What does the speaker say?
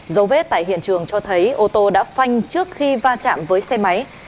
dấu vết tại hiện trường cho thấy ô tô đã phanh trước khi va chạm với xe máy